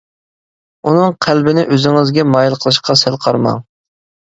ئۇنىڭ قەلبىنى ئۆزىڭىزگە مايىل قىلىشقا سەل قارىماڭ!